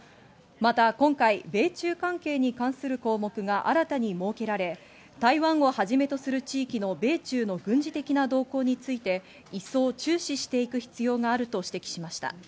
また今回、米中関係に関する項目が新たに設けられ、台湾をはじめとする地域の米中の軍事的な動向について、一層注視していく必要があると指摘しました。